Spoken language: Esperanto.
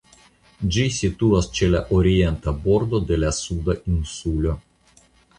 Ĝi situas ĉe la orienta bordo de la Suda Insulo.